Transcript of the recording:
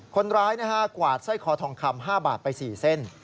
คนร้ายกวาดสร้อยคอทองคำ๕บาทไป๔เส้น